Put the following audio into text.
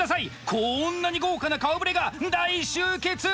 こんなに豪華な顔ぶれが大集結。